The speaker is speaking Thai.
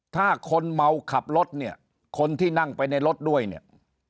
ถ้าคนเมาขับรถเนี่ยคนที่นั่งไปในรถด้วยเนี่ย